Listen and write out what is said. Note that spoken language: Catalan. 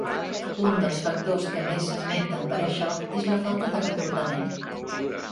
Un dels factors que més s'esmenten per a això és la falta de reclutament.